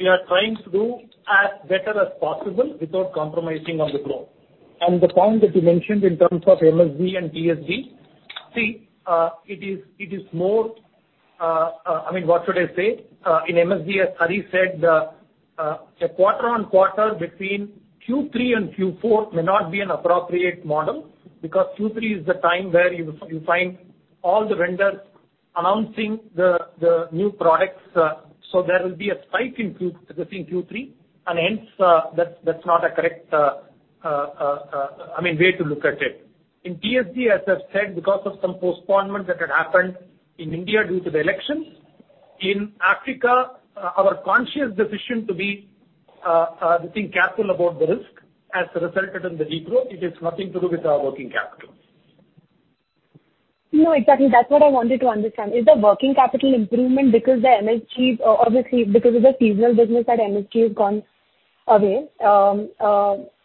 We are trying to do as better as possible without compromising on the growth. And the point that you mentioned in terms of MSG and TSG, see, it is more I mean, what should I say? In MSG, as Hari said, a quarter on quarter between Q3 and Q4 may not be an appropriate model because Q3 is the time where you find all the vendors announcing the new products. So there will be a spike in Q3, and hence, that's not a correct I mean, way to look at it. In TSG, as I've said, because of some postponement that had happened in India due to the elections, in Africa, our conscious decision to be the thing careful about the risk has resulted in the degrowth. It has nothing to do with our working capital. No, exactly. That's what I wanted to understand. Is the working capital improvement because the energy obviously, because it's a seasonal business, that energy has gone away?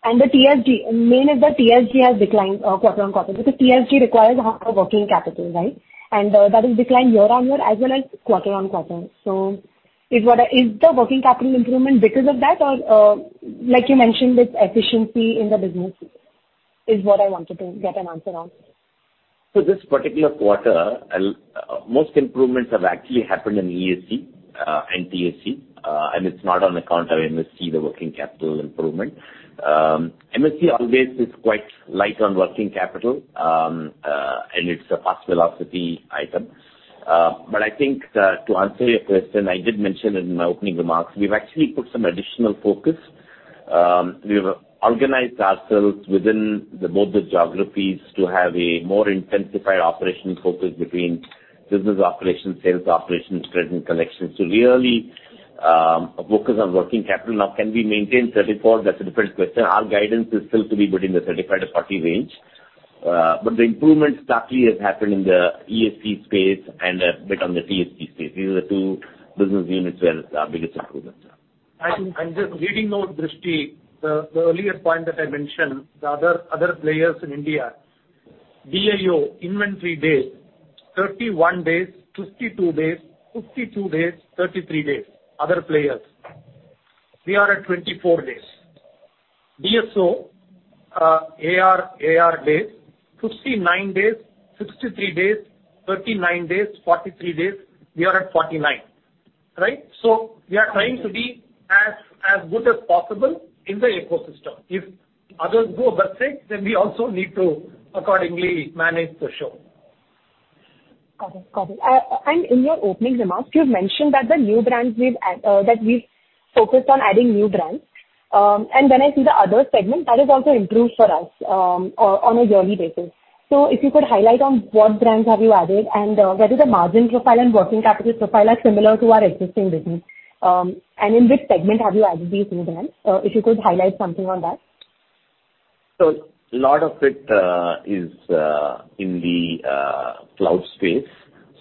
And the main is that TSG has declined quarter-on-quarter because TSG requires our working capital, right? And that has declined year-on-year as well as quarter-on-quarter. So is the working capital improvement because of that, or like you mentioned, it's efficiency in the business is what I wanted to get an answer on? For this particular quarter, most improvements have actually happened in ESG and TSG. It's not on account of MSG, the working capital improvement. MSG always is quite light on working capital, and it's a fast velocity item. I think to answer your question, I did mention in my opening remarks, we've actually put some additional focus. We've organized ourselves within both the geographies to have a more intensified operational focus between business operations, sales operations, credit and collections to really focus on working capital. Now, can we maintain 34? That's a different question. Our guidance is still to be within the certified 40 range. The improvement starkly has happened in the ESG space and a bit on the TSG space. These are the two business units where our biggest improvements are. I'm just reading note, Drashti, the earlier point that I mentioned, the other players in India, DAO inventory day, 31 days, 52 days, 52 days, 33 days, other players. We are at 24 days. DSO, AR days, 59 days, 63 days, 39 days, 43 days, we are at 49, right? So we are trying to be as good as possible in the ecosystem. If others go over 6, then we also need to accordingly manage to show. Got it. Got it. In your opening remarks, you've mentioned that the new brands we've that we've focused on adding new brands. When I see the other segment, that has also improved for us on a yearly basis. So if you could highlight on what brands have you added and whether the margin profile and working capital profile are similar to our existing business. In which segment have you added these new brands? If you could highlight something on that. A lot of it is in the cloud space.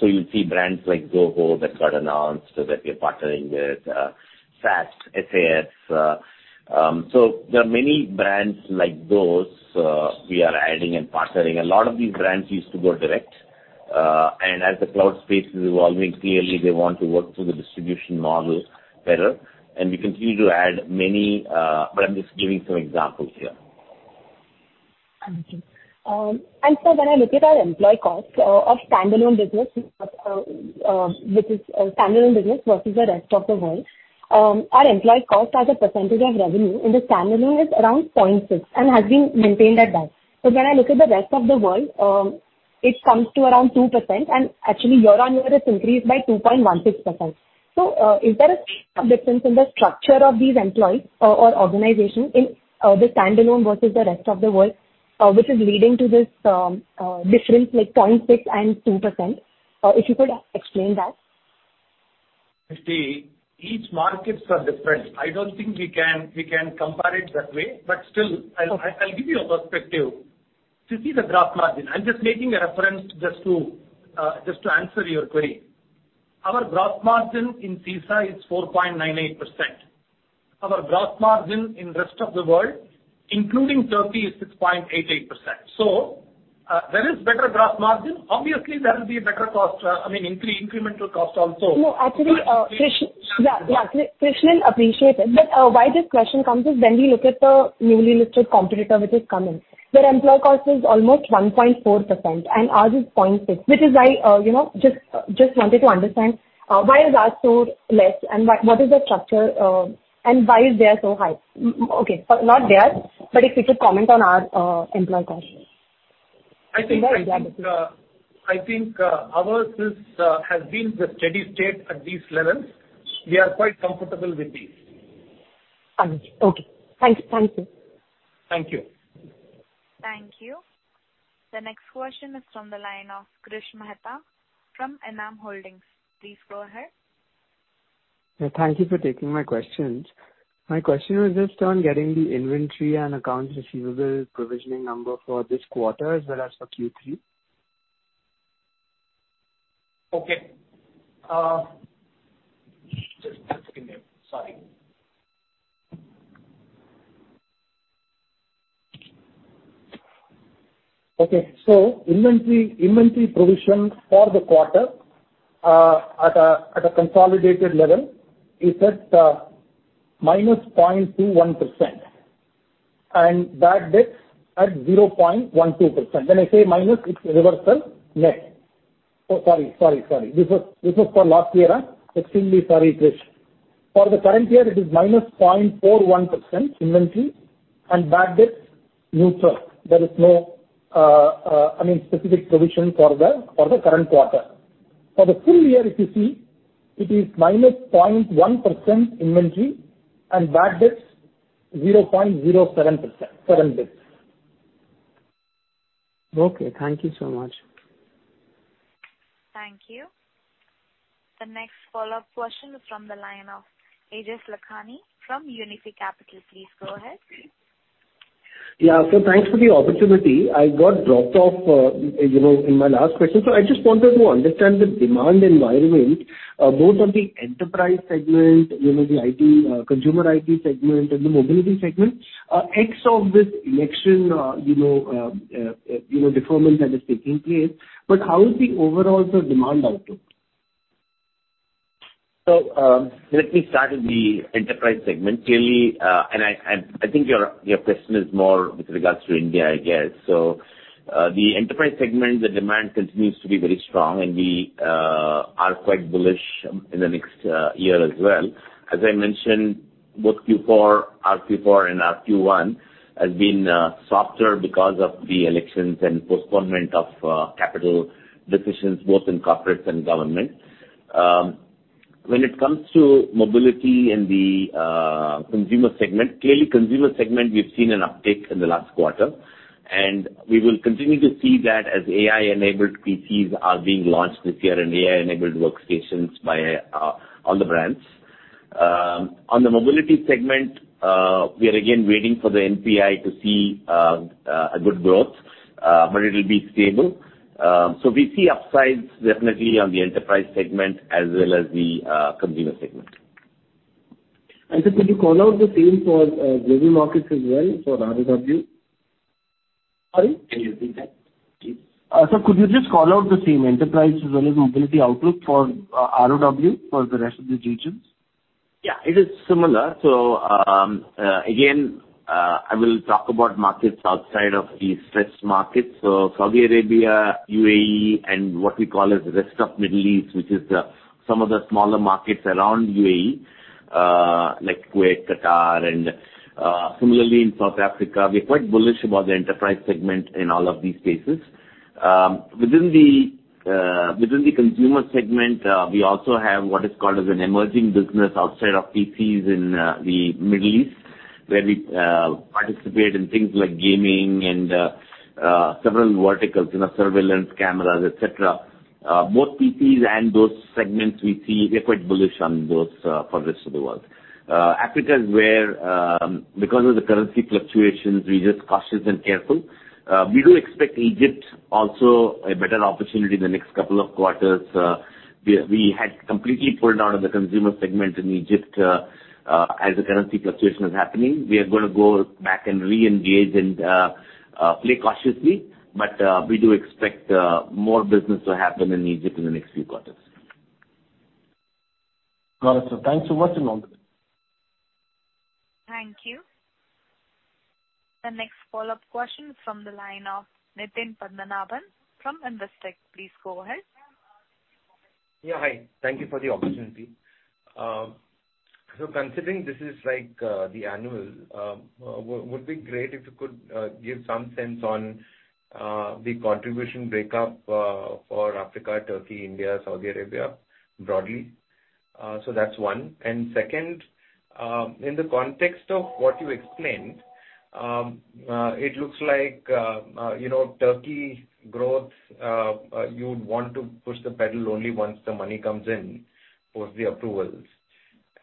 You'll see brands like Gogo that got announced that we're partnering with, SaaS, SAS. There are many brands like those we are adding and partnering. A lot of these brands used to go direct. As the cloud space is evolving, clearly, they want to work through the distribution model better. We continue to add many but I'm just giving some examples here. I understand. And sir, when I look at our employee cost of standalone business, which is standalone business versus the rest of the world, our employee cost as a percentage of revenue in the standalone is around 0.6 and has been maintained at that. But when I look at the rest of the world, it comes to around 2%. And actually, year-on-year, it's increased by 2.16%. So is there a difference in the structure of these employees or organization in the standalone versus the rest of the world, which is leading to this difference like 0.6 and 2%? If you could explain that. Drashti, each markets are different. I don't think we can compare it that way. But still, I'll give you a perspective. To see the gross margin, I'm just making a reference just to answer your query. Our gross margin in CSG is 4.98%. Our gross margin in the rest of the world, including Turkey, is 6.88%. So there is better gross margin. Obviously, there will be a better cost, I mean, incremental cost also. No, actually, yeah, yeah, Krishnan appreciates it. But why this question comes is when we look at the newly listed competitor which is Cummins, their employee cost is almost 1.4% and ours is 0.6%, which is I just wanted to understand why is ours so less and what is the structure and why is there so high? Okay, not there, but if you could comment on our employee costs. I think ours has been the steady state at these levels. We are quite comfortable with these. All right. Okay. Thank you. Thank you. Thank you. The next question is from the line of Krish Mehta from Enam Holdings. Please go ahead. Thank you for taking my questions. My question was just on getting the inventory and accounts receivable provisioning number for this quarter as well as for Q3. Okay. Just a second. Sorry. Okay. So inventory provision for the quarter at a consolidated level is at minus 0.21% and bad debt at 0.12%. When I say minus, it's reversal, yes. Oh, sorry, sorry, sorry. This was for last year, right? Excuse me, sorry, Krish. For the current year, it is minus 0.41% inventory and bad debt neutral. There is no, I mean, specific provision for the current quarter. For the full year, if you see, it is minus 0.1% inventory and bad debt 0.07%, bad debt. Okay. Thank you so much. Thank you. The next follow-up question is from the line of Aejas Lakhani from Unifi Capital. Please go ahead. Yeah. So thanks for the opportunity. I got dropped off in my last question. So I just wanted to understand the demand environment, both on the enterprise segment, the IT, consumer IT segment, and the mobility segment, Ex of this election performance that is taking place. But how is the overall demand outlook? Let me start with the enterprise segment. Clearly, and I think your question is more with regards to India, I guess. The enterprise segment, the demand continues to be very strong, and we are quite bullish in the next year as well. As I mentioned, both Q4, RQ4, and RQ1 have been softer because of the elections and postponement of capital decisions, both in corporate and government. When it comes to mobility and the consumer segment, clearly, consumer segment, we've seen an uptick in the last quarter. We will continue to see that as AI-enabled PCs are being launched this year and AI-enabled workstations on the brands. On the mobility segment, we are again waiting for the NPI to see a good growth, but it will be stable. We see upsides, definitely, on the enterprise segment as well as the consumer segment. Aejas, could you call out the same for global markets as well for ROW? Sorry? Can you repeat that? Sir, could you just call out the same enterprise as well as mobility outlook for ROW for the rest of the regions? Yeah, it is similar. So again, I will talk about markets outside of these fixed markets. So Saudi Arabia, UAE, and what we call as the rest of the Middle East, which is some of the smaller markets around UAE like Kuwait, Qatar, and similarly in South Africa, we're quite bullish about the enterprise segment in all of these cases. Within the consumer segment, we also have what is called as an emerging business outside of PCs in the Middle East where we participate in things like gaming and several verticals in surveillance cameras, etc. Both PCs and those segments, we're quite bullish on both for the rest of the world. Africa is where, because of the currency fluctuations, we're just cautious and careful. We do expect Egypt also a better opportunity in the next couple of quarters. We had completely pulled out of the consumer segment in Egypt as the currency fluctuation is happening. We are going to go back and re-engage and play cautiously. But we do expect more business to happen in Egypt in the next few quarters. Got it. Thanks so much and all. Thank you. The next follow-up question is from the line of Nitin Padmanabhan from Investec. Please go ahead. Yeah, hi. Thank you for the opportunity. So considering this is the annual, would be great if you could give some sense on the contribution breakup for Africa, Turkey, India, Saudi Arabia broadly. So that's one. And second, in the context of what you explained, it looks like Turkey growth, you'd want to push the pedal only once the money comes in post the approvals.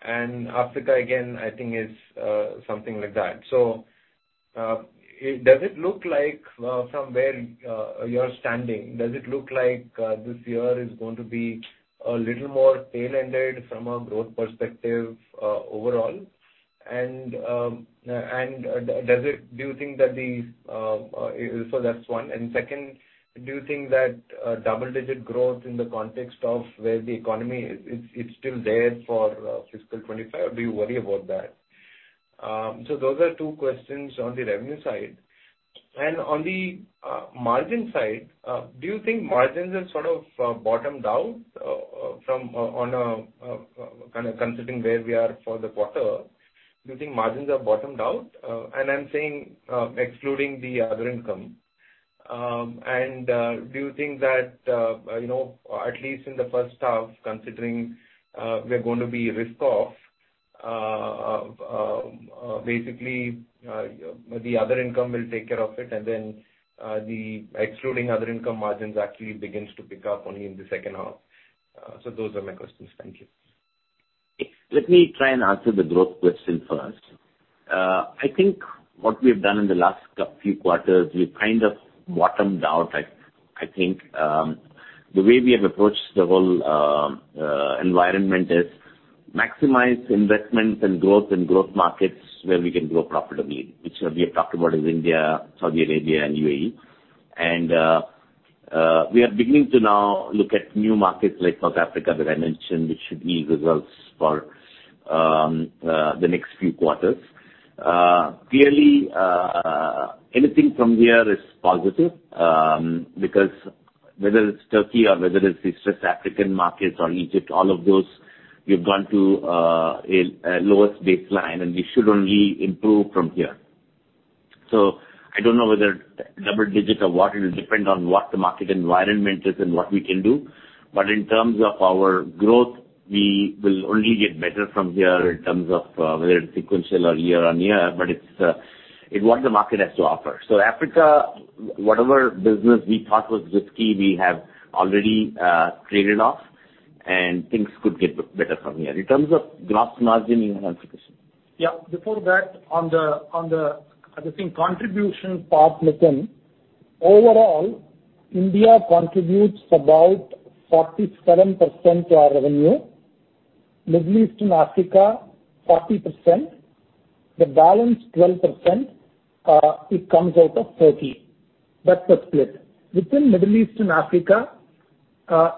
And Africa, again, I think is something like that. So does it look like from where you're standing, does it look like this year is going to be a little more tail-ended from a growth perspective overall? And do you think that the so that's one. And second, do you think that double-digit growth in the context of where the economy, it's still there for fiscal 2025, or do you worry about that? So those are two questions on the revenue side. On the margin side, do you think margins are sort of bottomed out on considering where we are for the quarter? Do you think margins are bottomed out? I'm saying excluding the other income. Do you think that at least in the first half, considering we're going to be risk-off, basically the other income will take care of it and then the excluding other income margins actually begins to pick up only in the second half? Those are my questions. Thank you. Let me try and answer the growth question first. I think what we have done in the last few quarters, we've kind of bottomed out. I think the way we have approached the whole environment is maximize investments and growth in growth markets where we can grow profitably, which we have talked about in India, Saudi Arabia, and UAE. We are beginning to now look at new markets like South Africa, the renunciant, which should bear results for the next few quarters. Clearly, anything from here is positive because whether it's Turkey or whether it's the stressed African markets or Egypt, all of those, we've gone to a lowest baseline and we should only improve from here. So I don't know whether double-digit or what, it will depend on what the market environment is and what we can do. In terms of our growth, we will only get better from here in terms of whether it's sequential or year-on-year, but it's what the market has to offer. Africa, whatever business we thought was risky, we have already traded off and things could get better from here. In terms of gross margin, you have answered the question. Yeah. Before that, on the, I think, contribution part, Nitin, overall, India contributes about 47% to our revenue. Middle East and Africa, 40%. The balance, 12%, it comes out of Turkey. That's the split. Within Middle East and Africa,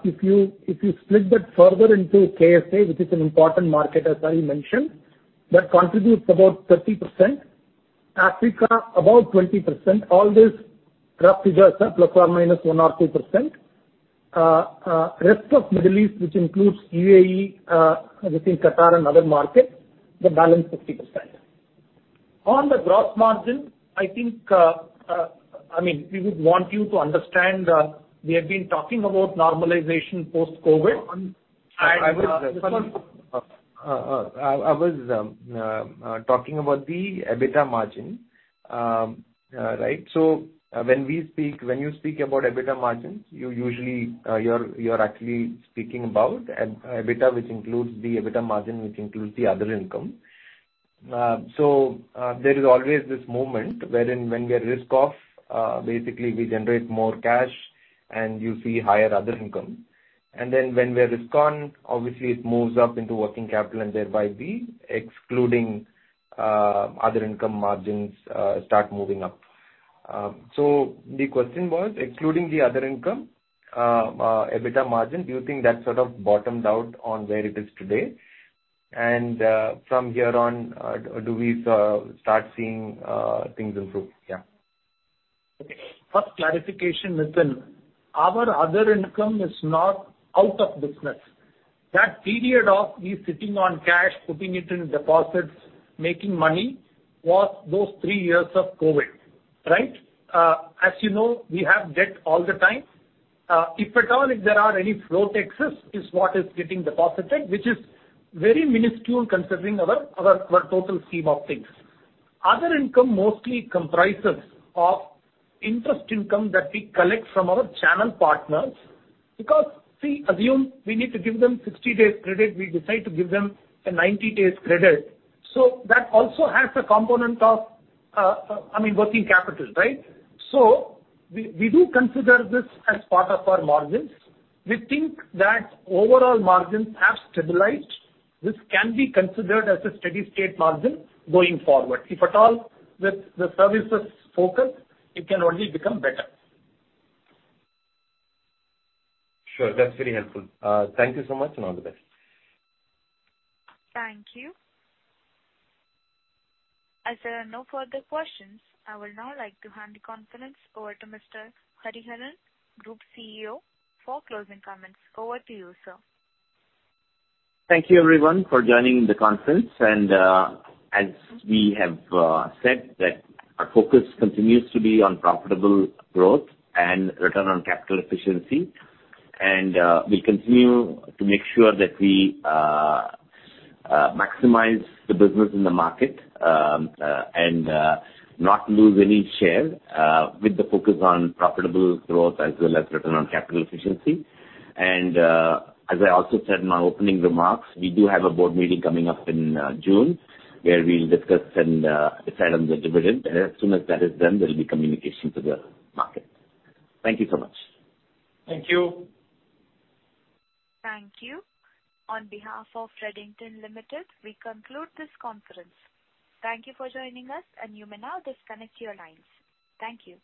if you split that further into KSA, which is an important market as I mentioned, that contributes about 30%. Africa, about 20%, all these rough figures, ±1 or 2%. Rest of Middle East, which includes UAE, I think Qatar and other markets, the balance is 50%. On the gross margin, I think, I mean, we would want you to understand we have been talking about normalization post-COVID. I was talking about the EBITDA margin, right? So when you speak about EBITDA margin, you're actually speaking about EBITDA, which includes the EBITDA margin, which includes the other income. So there is always this moment wherein when we are risk-off, basically, we generate more cash and you see higher other income. And then when we are risk-on, obviously, it moves up into working capital and thereby the excluding other income margins start moving up. So the question was, excluding the other income, EBITDA margin, do you think that's sort of bottomed out on where it is today? And from here on, do we start seeing things improve? Yeah. Okay. First clarification, Nitin, our other income is not out of business. That period of me sitting on cash, putting it in deposits, making money was those 3 years of COVID, right? As you know, we have debt all the time. If at all there are any flow taxes, it's what is getting deposited, which is very minuscule considering our total scheme of things. Other income mostly comprises of interest income that we collect from our channel partners because, see, assume we need to give them 60 days credit, we decide to give them a 90 days credit. So that also has a component of, I mean, working capital, right? So we do consider this as part of our margins. We think that overall margins have stabilized. This can be considered as a steady state margin going forward. If at all with the services focus, it can only become better. Sure. That's very helpful. Thank you so much and all the best. Thank you. As there are no further questions, I would now like to hand the conference over to Mr. Hariharan, Group CEO, for closing comments. Over to you, sir. Thank you, everyone, for joining the conference. As we have said, our focus continues to be on profitable growth and return on capital efficiency. We'll continue to make sure that we maximize the business in the market and not lose any share with the focus on profitable growth as well as return on capital efficiency. As I also said in my opening remarks, we do have a board meeting coming up in June where we'll discuss and assign the dividend. As soon as that is done, there'll be communication to the market. Thank you so much. Thank you. Thank you. On behalf of Redington Limited, we conclude this conference. Thank you for joining us, and you may now disconnect your lines. Thank you.